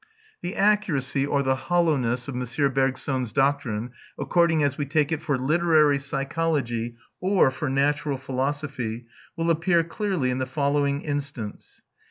The accuracy or the hollowness of M. Bergson's doctrine, according as we take it for literary psychology or for natural philosophy, will appear clearly in the following instance.